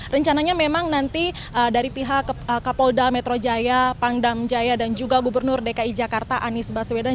rencananya memang nanti dari pihak kapolda metro jaya pangdam jaya dan juga gubernur dki jakarta anies baswedan